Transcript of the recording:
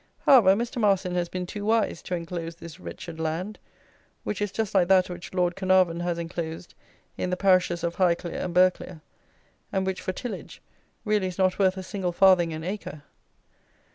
However, Mr. Marsin has been too wise to enclose this wretched land, which is just like that which Lord Caernarvon has enclosed in the parishes of Highclere, and Burghclere, and which, for tillage, really is not worth a single farthing an acre.